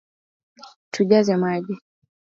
Tujaze maji